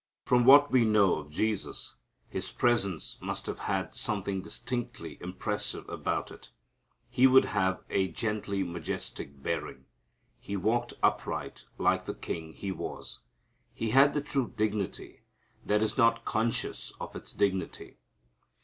From what we know of Jesus His presence must have had something distinctly impressive about it. He would have a gently majestic bearing. He walked upright like the king He was. He had the true dignity that is not conscious of its dignity.